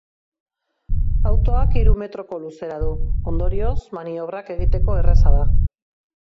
Autoak hiru metroko luzera du, ondorioz, maniobrak egiteko erraza da.